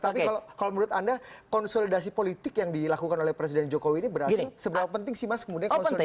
tapi kalau menurut anda konsolidasi politik yang dilakukan oleh presiden jokowi ini berhasil seberapa penting sih mas kemudian konsolidasi